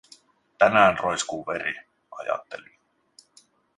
Tänään roiskuu veri, ajattelin.